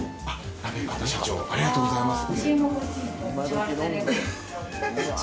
行方社長ありがとうございます。